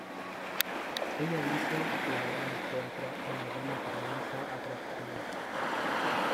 Ella dice que ella encuentra una buena crianza atractivo.